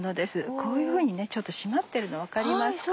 こういうふうに締まってるの分かりますか？